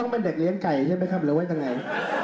ต้องเป็นเด็กเลี้ยงไก่ใช่ไหมครับหรือว่าจะไหน